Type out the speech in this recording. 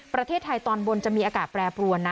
ประเทศไทยตอนบนจะมีอากาศแปรปรวนนะ